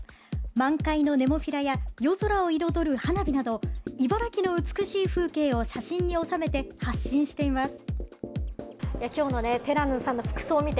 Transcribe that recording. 満開のネモフィラや夜空を彩る花火など茨城の美しい風景を写真に収めて発信しています。